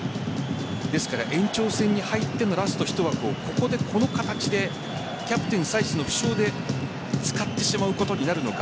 延長戦に入ってのラスト１枠をここで、この形でキャプテン・サイスの負傷で使ってしまうことになるのか。